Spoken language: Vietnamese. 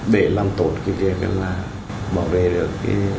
để làm tốt cái việc là bảo vệ được